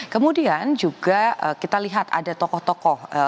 kemudian juga kita lihat ada tokoh tokoh